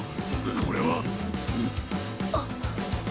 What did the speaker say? これは！あ！